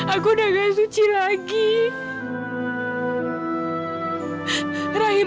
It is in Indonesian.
aku udah gak suci lagi